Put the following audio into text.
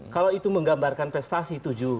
kalau itu menggambarkan prestasi tujuh